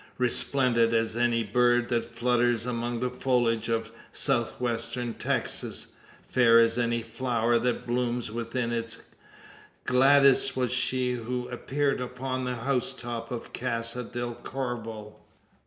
Resplendent as any bird that flutters among the foliage of south western Texas fair as any flower that blooms within it gladdest was she who appeared upon the housetop of Casa del Corvo.